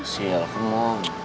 sial aku mau